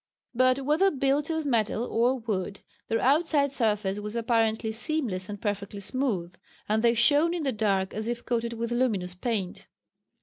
But whether built of metal or wood their outside surface was apparently seamless and perfectly smooth, and they shone in the dark as if coated with luminous paint.